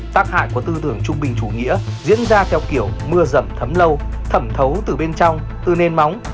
tác hại của tư tưởng trung bình chủ nghĩa diễn ra theo kiểu mưa rầm thấm lâu thẩm thấu từ bên trong từ nền móng